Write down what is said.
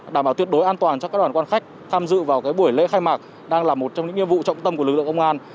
đảm bảo tuyệt đối an toàn cho các đoàn quan khách tham dự vào buổi lễ khai mạc đang là một trong những nhiệm vụ trọng tâm của lực lượng công an